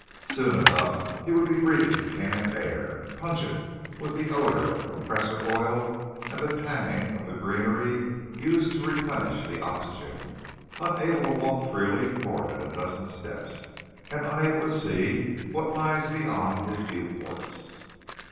Soon enough he would be breathing canned air, pungent with the odor of compressor oil and the tang of the greenery used to replenish the oxygen, unable to walk freely more than a few dozen steps, and unable to see what lies beyond his viewports.